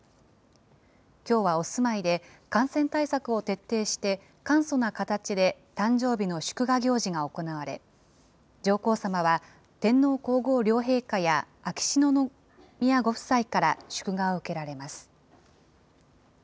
きょうはお住まいで、感染対策を徹底して、簡素な形で誕生日の祝賀行事が行われ、上皇さまは天皇皇后両陛下や秋篠宮ご夫妻から祝賀を受けられます。